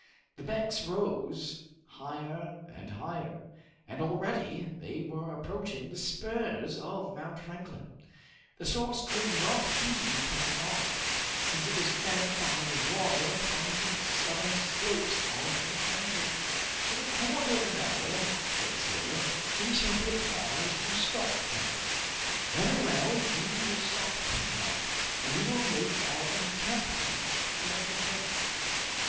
The banks rose higher and higher, and already they were approaching the spurs of Mount Franklin. The source could not be far off, since it was fed by the water from the southern slopes of the mountain. "In a quarter of an hour," said the sailor, "we shall be obliged to stop, captain." "Very well, we will stop, Pencroft, and we will make our encampment for the night."